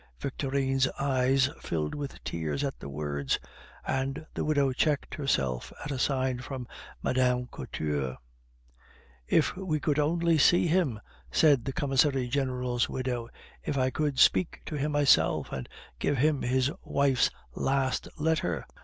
Victorine's eyes filled with tears at the words, and the widow checked herself at a sign from Mme. Couture. "If we could only see him!" said the Commissary General's widow; "if I could speak to him myself and give him his wife's last letter!